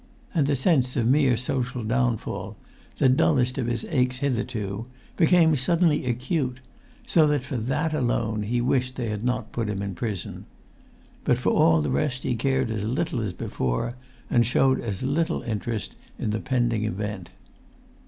And the sense of mere social downfall, the dullest of his aches hitherto, became suddenly acute, so that for that alone he wished they had not put him in prison. But for all the rest he cared as little as before, and showed as little interest in the pending event.